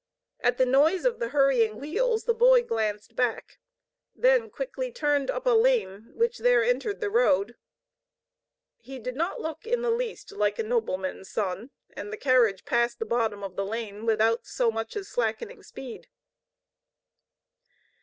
At the noise of the hurrying wheels the boy glanced back, then quickly turned up a lane which there entered the road. He did not look in the least like a nobleman's son, and the carriage passed the bottom of the lane without so much as slacking speed.